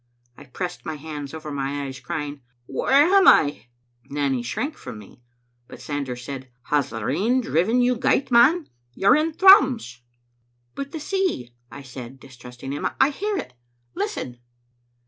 I pressed my hands over my eyes, crying, "Where am I?" Nanny shrank from me, but Sanders said, " Has the rain driven you gyte, man? You're in Thrums." "But the sea," I said, distrusting him. "I hear it. Listen!"